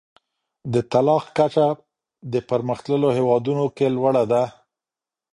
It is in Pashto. د طلاق کچه د پرمختللو هیوادونو کي لوړه ده.